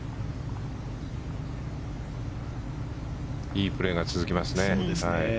いいプレーが続きますね。